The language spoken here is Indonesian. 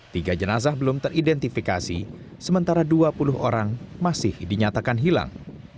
tiga jenazah belum teridentifikasi sementara dua puluh orang masih dinyatakan hilang